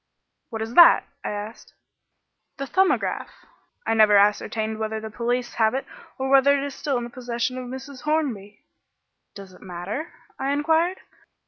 "What is that?" I asked. "The 'Thumbograph.' I never ascertained whether the police have it or whether it is still in the possession of Mrs. Hornby." "Does it matter?" I inquired.